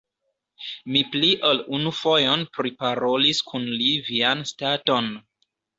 Mi pli ol unu fojon priparolis kun li vian staton.